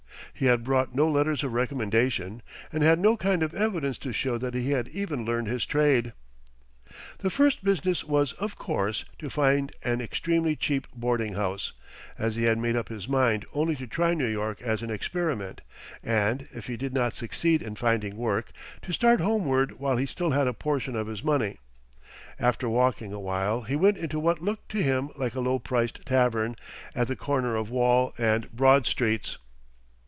He had brought no letters of recommendation, and had no kind of evidence to show that he had even learned his trade. The first business was, of course, to find an extremely cheap boarding house, as he had made up his mind only to try New York as an experiment, and, if he did not succeed in finding work, to start homeward while he still had a portion of his money. After walking awhile he went into what looked to him like a low priced tavern, at the corner of Wall and Broad Streets.